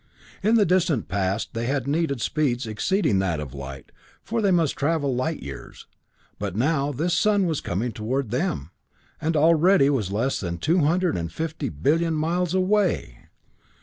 In the distant past they had needed speeds exceeding that of light, for they must travel light years; but now this sun was coming toward them, and already was less than two hundred and fifty billion miles away!